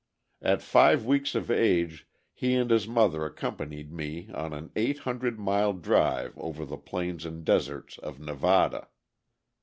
At five weeks of age he and his mother accompanied me on an eight hundred mile drive over the plains and deserts of Nevada.